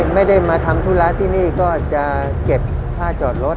ไม่ได้มาทำธุระที่นี่ก็จะเก็บค่าจอดรถ